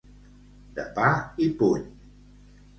De pa i puny.